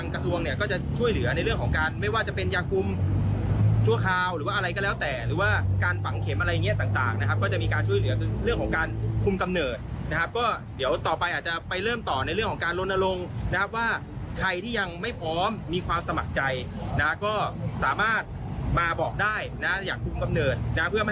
กระทรวงเนี่ยก็จะช่วยเหลือในเรื่องของการไม่ว่าจะเป็นยากุมชั่วคราวหรือว่าอะไรก็แล้วแต่หรือว่าการฝังเข็มอะไรอย่างเงี้ยต่างนะครับก็จะมีการช่วยเหลือเรื่องของการคุมกำเนิดนะครับก็เดี๋ยวต่อไปอาจจะไปเริ่มต่อในเรื่องของการลนลงนะครับว่าใครที่ยังไม่พร้อมมีความสมัครใจนะก็สามารถมาบอกได้นะอยากคุมกำเนิดนะเพื่อไม่